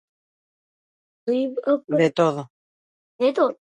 De todo (de todo).